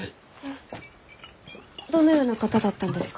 どのような方だったんですか？